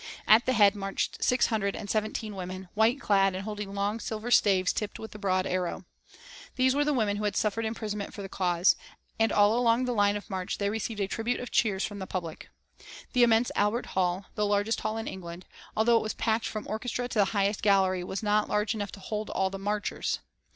At the head marched six hundred and seventeen women, white clad and holding long silver staves tipped with the broad arrow. These were the women who had suffered imprisonment for the cause, and all along the line of march they received a tribute of cheers from the public. The immense Albert Hall, the largest hall in England, although it was packed from orchestra to the highest gallery, was not large enough to hold all the marchers.